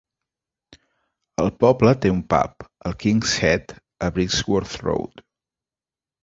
El poble té un pub, el "King's Head", a Brixworth Road.